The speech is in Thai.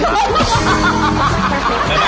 คนแรกโหไม่เคยมา